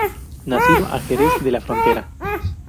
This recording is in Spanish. Nacido a Jerez de la Frontera.